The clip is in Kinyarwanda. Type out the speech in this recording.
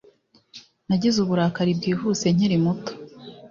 Nagize uburakari bwihuse nkiri muto